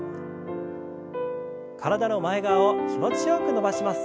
体の前側を気持ちよく伸ばします。